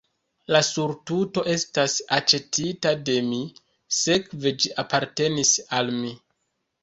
La surtuto estas aĉetita de mi, sekve ĝi apartenas al mi.